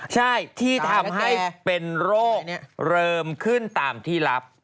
ใช่ที่ทำให้เป็นโรคเริ่มขึ้นตามที่รับ